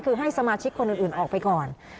คือให้สมาชิกคนอื่นออกไปก่อน